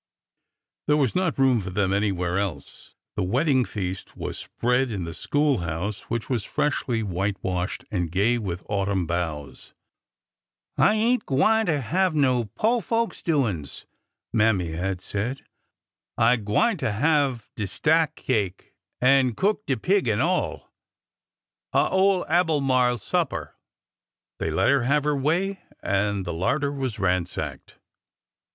There was not room for them anywhere else. The wedding feast was spread in the school house, which was freshly whitewashed and gay with autumn boughs. I ain't gwineter have no po' folks doin's," Mammy had said. '' I gwineter have de stack cake, an' cook de peeg an' all — a' ole Albemarle supper !" They let her have her way, and the larder was ransacked.